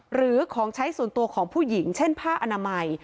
หรือของใช้ส่วนตัวของผู้หญิงเช่นผ้าอนามัย